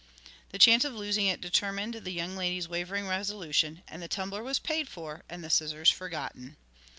The chance of losing it determined the young lady's wavering resolution, and the tumbler was paid for, and the scissors forgotten.